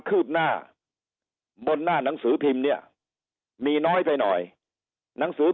คืบหน้าบนหน้าหนังสือพิมพ์เนี่ยมีน้อยไปหน่อยหนังสือ